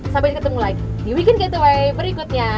sampai ketemu lagi di weekend gateway berikutnya